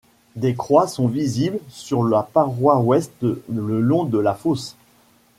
Des croix sont visibles sur la paroi ouest le long de la fosse.